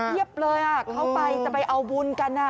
คนเพียบเลยเข้าไปแต่ไปเอาบุญกันนะ